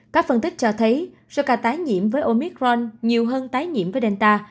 các phân tích cho thấy số ca tái nhiễm với omicron nhiều hơn tái nhiễm với delta